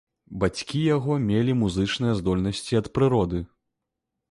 Бацькі яго мелі музычныя здольнасці ад прыроды.